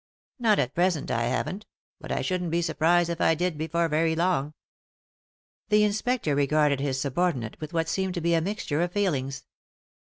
" "Not at present I haven't, but I shouldn't be surprised if I did before very long." The Inspector regarded bis subordinate with what seemed to be a mixture of feelings.